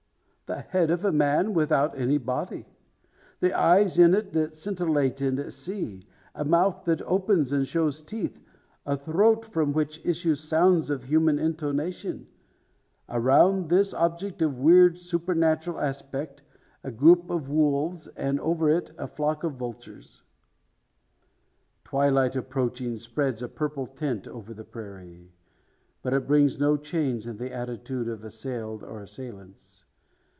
The head of a man, without any body; with eyes in it that scintillate and see; a mouth that opens, and shows teeth; a throat from which issue sounds of human intonation; around this object of weird supernatural aspect, a group of wolves, and over it a flock of vultures! Twilight approaching, spreads a purple tint over the prairie. But it brings no change in the attitude of assailed, or assailants.